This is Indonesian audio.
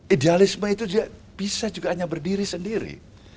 idealisme itu bisa juga hanya berdiri sendiri